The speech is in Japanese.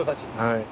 はい。